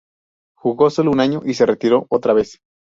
Jugó solo un año y se retiró otra vez.